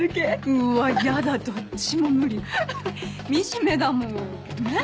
うわやだどっちも無理惨めだもんねぇ？